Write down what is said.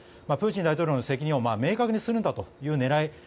プーチン大統領の責任を明確にするんだという狙い